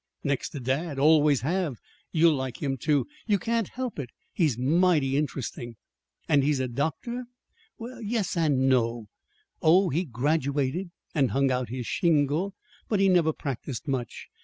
"Next to dad always have. You'll like him, too. You can't help it. He's mighty interesting." "And he's a doctor?" "Yes, and no. Oh, he graduated and hung out his shingle; but he never practiced much.